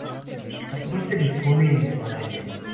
La flor se dispone en espadaña.